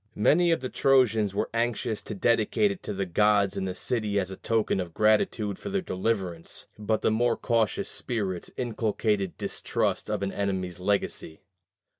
Many of the Trojans were anxious to dedicate it to the gods in the city as a token of gratitude for their deliverance; but the more cautious spirits inculcated distrust of an enemy's legacy.